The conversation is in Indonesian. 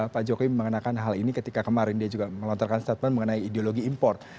pak jokowi mengenakan hal ini ketika kemarin dia juga melontarkan statement mengenai ideologi impor